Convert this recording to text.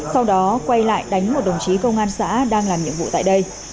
sau đó quay lại đánh một đồng chí công an xã đang làm nhiệm vụ tại đây